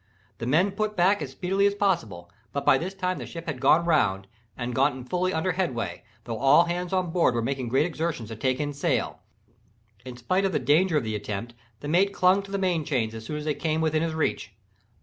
The men put back as speedily as possible, but by this time the ship had gone round, and gotten fully under headway, although all hands on board were making great exertions to take in sail. In despite of the danger of the attempt, the mate clung to the main chains as soon as they came within his reach.